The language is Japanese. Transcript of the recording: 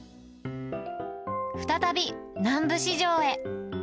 再び南部市場へ。